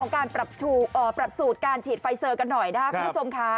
การปรับสูตรการฉีดไฟเซอร์กันหน่อยนะครับคุณผู้ชมค่ะ